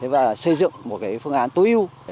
và xây dựng một phương án tối ưu